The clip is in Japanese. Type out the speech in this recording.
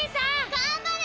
頑張れ！